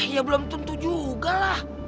ya belum tentu juga lah